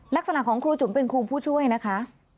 ลักษณะของครูจุ๋มเป็นครูผู้ช่วยนะคะ